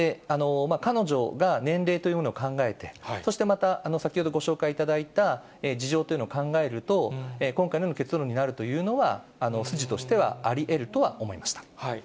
彼女が年齢というものを考えて、そしてまた先ほどご紹介いただいた事情というのを考えると、今回のような結論になるというのは、筋としてはありえるとは思いました。